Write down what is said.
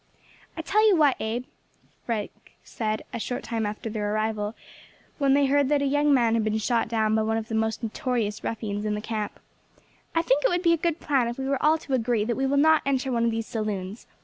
"I tell you what, Abe," Frank said, a short time after their arrival, when they heard that a young man had been shot down by one of the most notorious ruffians in the camp, "I think it would be a good plan if we were all to agree that we will not enter one of these saloons.